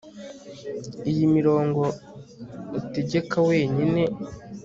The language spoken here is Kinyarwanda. Iyi mirongo utegeka wenyine